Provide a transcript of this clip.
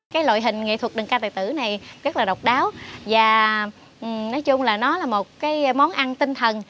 cái loại hình nghệ thuật đơn ca tài tử này rất là độc đáo và nói chung là nó là một cái món ăn tinh thần